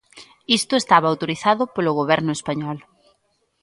Iso estaba autorizado polo Goberno español.